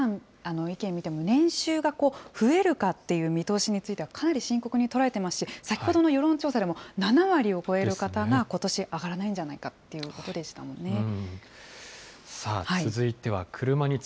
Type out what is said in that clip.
実際、皆さんの意見を見ても、年収が増えるかっていう見通しについてはかなり深刻に捉えてますし、先ほどの世論調査でも７割を超える方がことし、上がらないんじゃないかということでしたもんね。